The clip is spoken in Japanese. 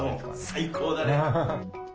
最高だね。